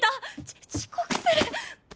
ち遅刻する！